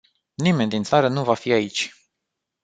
Nimeni din țară nu va fi aici.